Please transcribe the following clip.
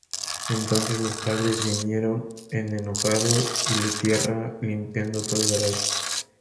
Entonces sus padres vinieron en enojado y le tierra limpiando todo el garaje.